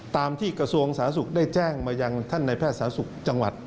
ตามที่กระทรวงสาธารณสุขได้แจ้งมายังท่านในแพทย์สาธารณสุขจังหวัด